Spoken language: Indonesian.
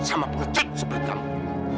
sama penjajat seperti kamu